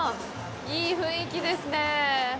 いい雰囲気ですね。